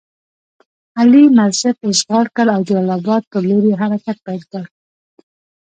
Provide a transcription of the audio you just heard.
علي مسجد اشغال کړ او جلال اباد پر لور یې حرکت پیل کړ.